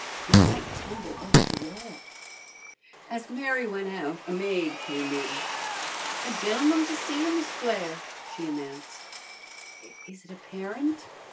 He might tumble off the wall." As Mary went out a maid came in. "A gen'l'mun to see you, Miss Blair," she announced. "Is it a parent?"